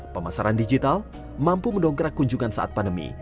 pemasaran digital mampu mendongkrak kunjungan saat pandemi